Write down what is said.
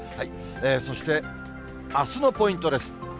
そしてあすのポイントです。